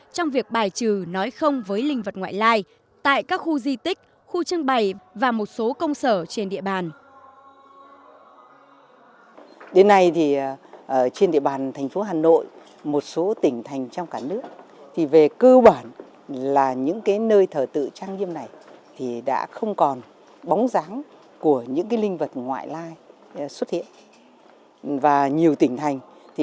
trong việc bài trừ nói không với linh vật ngoại lai tại các khu di tích khu trưng bày và một số công sở trên địa bàn